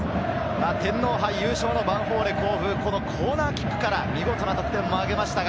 天皇杯優勝のヴァンフォーレ甲府、コーナーキックから見事な得点を挙げました。